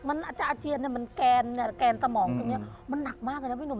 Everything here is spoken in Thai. มันอาจจะอาเจียนแกนตมองมันหนักมากเลยนะพี่หนุ่ม